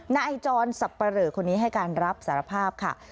นายจรสับปะเหลอคนนี้ให้การรับสารภาพค่ะ